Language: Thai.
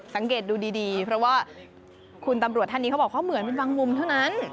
สังเกตดูดีเพราะว่าคุณตำรวจท่านนี้เขาบอกเขาเหมือนเป็นบางมุมเท่านั้น